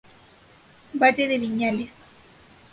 Valle de Viñales